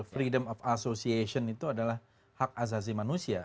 freedom of association itu adalah hak azazi manusia